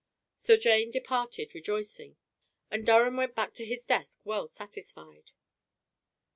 So Jane departed rejoicing, and Durham went back to his desk well satisfied.